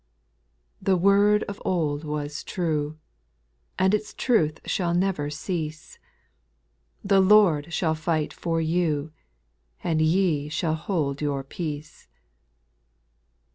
10. The word of old was true, And its truth shall never cease, " The Lord shall fight for you, And ye shall hold your peace."